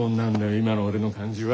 今の俺の感じは。